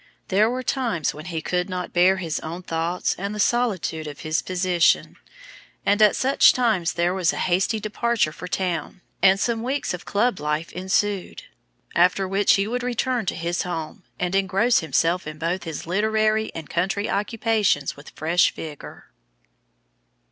There were times when he could not bear his own thoughts and the solitude of his position; and at such times there was a hasty departure for town, and some weeks of club life ensued, after which he would return to his home, and engross himself in both his literary and country occupations with fresh vigor.